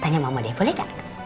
ya boleh dong